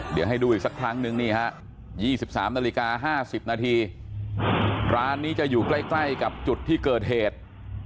เดี๋ยวให้ดูอีกสักครั้งนึงนี่ฮะยี่สิบสามนาฬิกาห้าสิบนาทีร้านนี้จะอยู่ใกล้ใกล้กับจุดที่เกิดเหตุ